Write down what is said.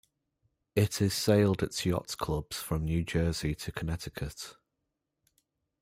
It is sailed at yacht clubs from New Jersey to Connecticut.